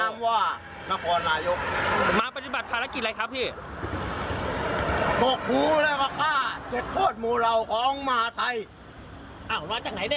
มาจากมหาดไทยอย่างไรบ้าง